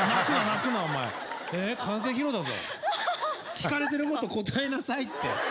聞かれてること答えなさい。